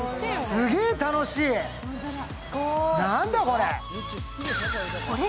すげー楽しい、何だこれ。